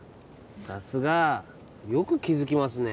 さすがよく気づきますね